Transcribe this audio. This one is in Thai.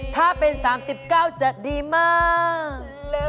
ถ้าเป็น๓๙จะดีมาก